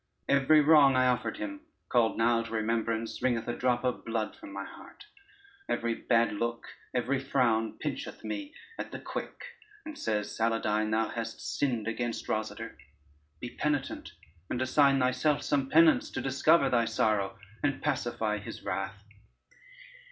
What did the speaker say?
Every wrong I offered him, called now to remembrance, wringeth a drop of blood from my heart, every bad look, every frown pincheth me at the quick, and says, 'Saladyne thou hast sinned against Rosader.' Be penitent, and assign thyself some penance to discover thy sorrow, and pacify his wrath."